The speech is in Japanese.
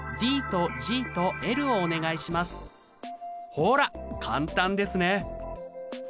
ほら簡単ですね。